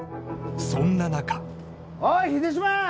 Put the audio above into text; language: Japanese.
そんな中おい秀島！